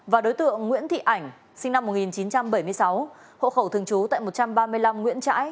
và đối tượng nguyễn thị ảnh sinh năm một nghìn chín trăm bảy mươi sáu hộ khẩu thường trú tại một trăm ba mươi năm nguyễn trãi